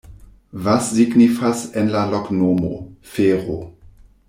Vas signifas en la loknomo: fero.